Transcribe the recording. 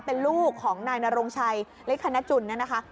เป็นลูกของนายนรงชัยเล็กธนจุลเนี่ยนะคะ